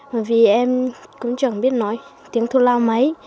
bởi vì em cũng chẳng biết nói tiếng thôn lao mấy